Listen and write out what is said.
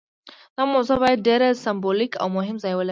دا موضوع باید ډیر سمبولیک او مهم ځای ولري.